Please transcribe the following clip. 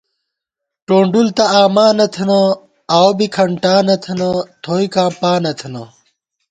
ٹونڈُول تہ آما نہ تھنہ، آؤو بی کھٹا نَتھنہ، تھوئیکاں پا نَتھنہ